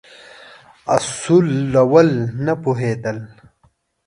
اصولو نه پوهېدل.